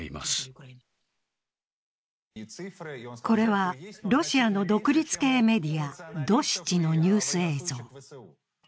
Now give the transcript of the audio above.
これはロシアの独立系メディア、ドシチのニュース映像。